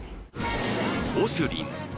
ＯＳＲＩＮ